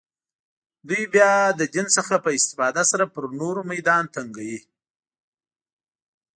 دوی بیا له دین څخه په استفاده سره پر نورو میدان تنګوي